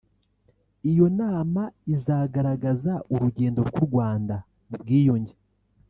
Iyo nama izagaragaza urugendo rw’u Rwanda mu bwiyunge